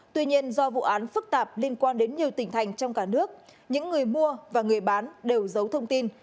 tuy nhiên do vụ án phức tạp liên quan đến nhiều tỉnh thành trong cả nước những người mua và người bán đều giấu thông tin